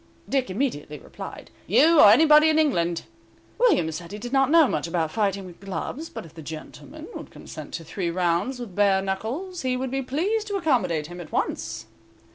Dick immediately replied, "You, or anybody in England." William said he did not know much about fighting with gloves, but if the gentleman would consent to three rounds with bare knuckles he would be pleased to accommodate him at once.